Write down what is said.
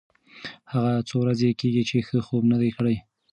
هغه څو ورځې کېږي چې ښه خوب نه دی کړی.